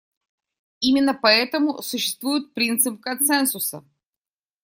Именно поэтому существует принцип консенсуса.